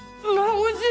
おいしい！